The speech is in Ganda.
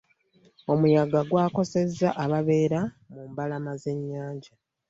Omuyaga gwa koseza ababeera ku mbalama ze nnyanja.